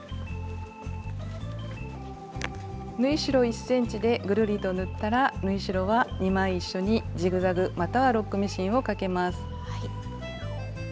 縫い代１ｃｍでぐるりと縫ったら縫い代は２枚一緒にジグザグまたはロックミシンをかけます。